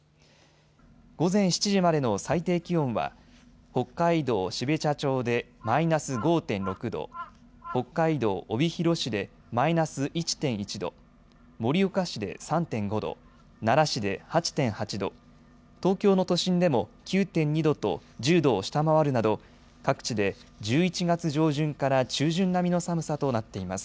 午前７時までの最低気温は北海道標茶町でマイナス５．６度、北海道帯広市でマイナス１．１度、盛岡市で３．５度、奈良市で８．８度、東京の都心でも９．２度と１０度を下回るなど各地で１１月上旬から中旬並みの寒さとなっています。